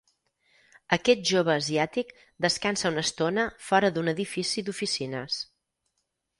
Aquest jove asiàtic descansa una estona fora d'un edifici d'oficines.